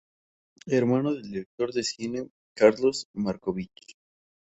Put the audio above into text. Hermano del director de cine Carlos Marcovich.